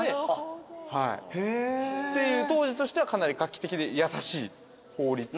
当時としてはかなり画期的で優しい法律が。